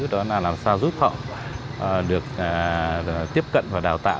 đó là làm sao giúp họ được tiếp cận và đào tạo